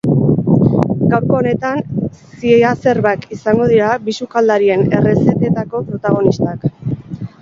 Gaurko honetan, ziazerbak izango dira bi sukaldarien errezetetako protagonistak.